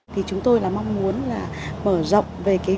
thì chúng tôi là mong muốn là mở rộng về kế hoạch